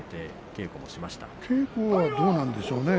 稽古はどうなんでしょうかね？